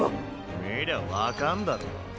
見りゃ分かんだろ。